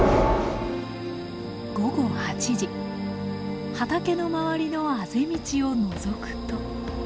午後８時畑の周りのあぜ道をのぞくと。